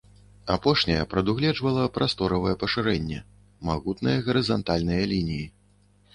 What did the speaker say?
Апошняя прадугледжвала прасторавае пашырэнне, магутныя гарызантальныя лініі.